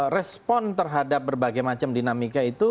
respon terhadap berbagai macam dinamika itu